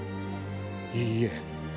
いいえ。